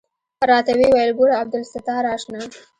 راته ويې ويل ګوره عبدالستاره اشنا.